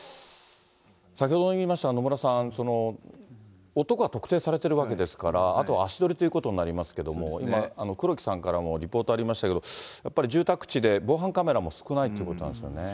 先ほども言いましたが、野村さん、男は特定されてるわけですから、あとは足取りということになりますけれども、今、黒木さんからもリポートありましたけど、やっぱり住宅地で、防犯カメラも少ないということなんですよね。